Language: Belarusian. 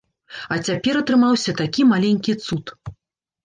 А цяпер атрымаўся такі маленькі цуд.